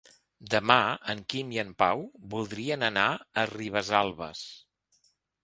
Demà en Quim i en Pau voldrien anar a Ribesalbes.